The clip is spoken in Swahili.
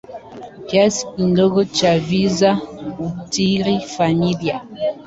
Kiasi kidogo cha visa huathiri familia.